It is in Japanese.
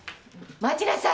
待ちなさい！